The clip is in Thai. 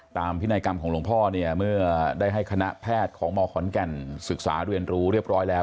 พินัยกรรมของหลวงพ่อเนี่ยเมื่อได้ให้คณะแพทย์ของมขอนแก่นศึกษาเรียนรู้เรียบร้อยแล้ว